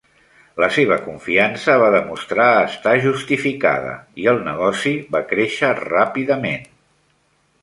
La seva confiança va demostrar estar justificada i el negoci va créixer ràpidament.